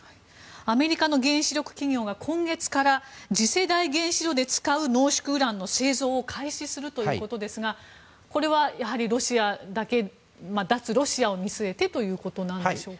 アメリカの原子力企業が今月から次世代原子炉で使う濃縮ウランの製造を開始するということですがこれは脱ロシアを見据えてということなんでしょうか。